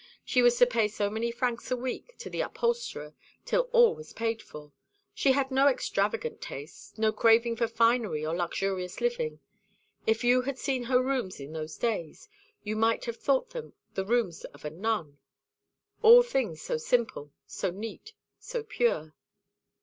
She was to pay so many francs a week to the upholsterer till all was paid for. She had no extravagant tastes, no craving for finery or luxurious living. If you had seen her rooms in those days, you might have thought them the rooms of a nun all things so simple, so neat, so pure."